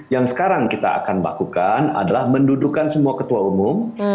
yang sekarang kita akan lakukan adalah mendudukan semua ketua umum di dalam suatu forum